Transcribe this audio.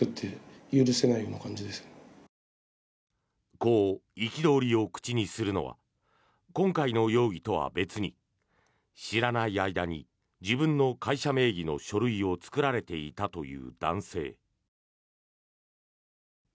こう、憤りを口にするのは今回の容疑とは別に知らない間に自分の会社名義の書類を作られていたという男性。